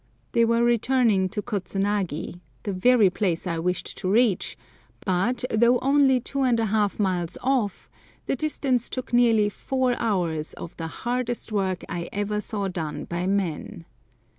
They were returning to Kotsunagi—the very place I wished to reach—but, though only 2½ miles off, the distance took nearly four hours of the hardest work I ever saw done by men.